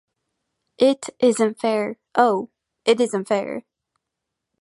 It isn't fair, oh, it isn't fair!